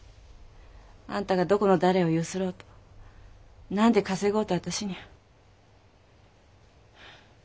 あんたがどこの誰をゆすろうと何で稼ごうと私にゃ。